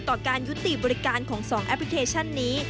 ต่อการยุติบริการของ๒แอปพลิเคชันนี้